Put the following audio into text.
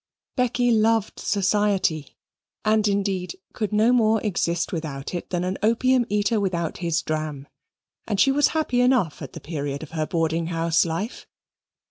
Becky loved society and, indeed, could no more exist without it than an opium eater without his dram, and she was happy enough at the period of her boarding house life.